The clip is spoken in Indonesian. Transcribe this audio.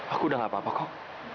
aku sudah tidak apa apa kok